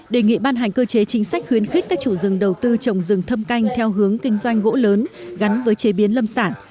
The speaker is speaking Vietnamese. đề nghị ban hành cơ chế chính sách khuyến khích các chủ rừng đầu tư trồng rừng thâm canh theo hướng kinh doanh gỗ lớn gắn với chế biến lâm sản